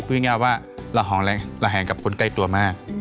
พูดง่ายง่ายว่าละห่างกับคุณใกล้ตัวมาก